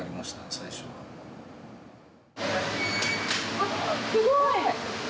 あっすごい！